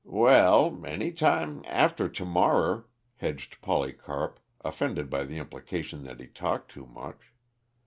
"Well any time after to morrer," hedged Polycarp, offended by the implication that he talked too much.